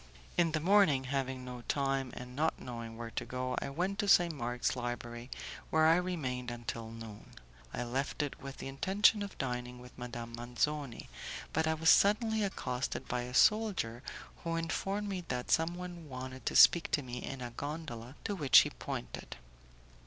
In the morning, having no money, and not knowing where to go, I went to St. Mark's Library, where I remained until noon. I left it with the intention of dining with Madame Manzoni, but I was suddenly accosted by a soldier who informed me that someone wanted to speak to me in a gondola to which he pointed.